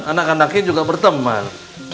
anak anaknya juga berteman